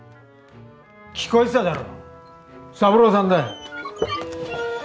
・聞こえてただろ三郎さんだよ。